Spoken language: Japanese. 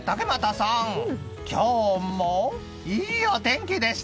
竹俣さん、今日もいいお天気でした。